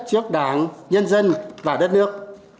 trước đảng nhân dân và đất nước